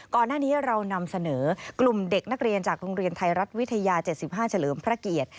ก่อนหน้านี้เรานำเสนอกลุ่มเด็กนักเรียนจากโรงเรียนไทยรัฐวิทยา๗๕เฉลิมพระเกียรติ